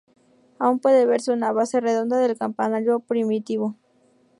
Aún puede verse una base redonda del campanario primitivo.